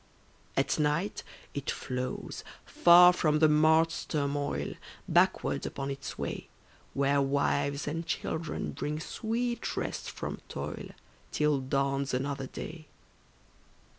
At night it flows, far from the mart's turmoil, Backward upon its way, Where wives and children bring sweet rest from toil, Till dawns another day.